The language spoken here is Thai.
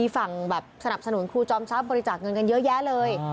ก็สนับสนุนครูจอมชัพบริจาคเงินเยอะแยะเลย